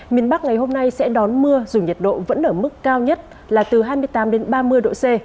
miền bắc ngày hôm nay sẽ đón mưa dù nhiệt độ vẫn ở mức cao nhất là từ hai mươi tám đến ba mươi độ c